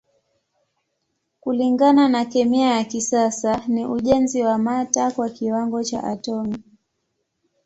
Kulingana na kemia ya kisasa ni ujenzi wa mata kwa kiwango cha atomi.